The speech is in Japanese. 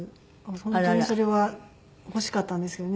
本当にそれは欲しかったんですけどね。